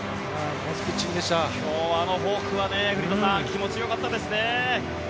今日、あのフォークは気持ちよかったですね。